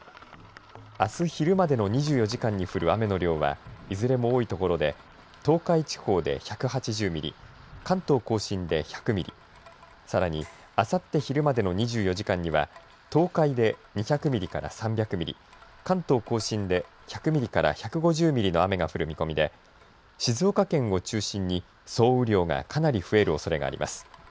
あす昼までの２４時間に降る雨の量はいずれも多いところで東海地方で１８０ミリ、関東甲信で１００ミリ、さらに、あさって昼までの２４時間には東海で２００ミリから３００ミリ、関東甲信で１００ミリから１５０ミリの雨が降る見込みで静岡県を中心に総雨量がかなり増えるおそれがあります。